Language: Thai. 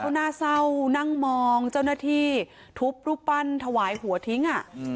เขาน่าเศร้านั่งมองเจ้าหน้าที่ทุบรูปปั้นถวายหัวทิ้ง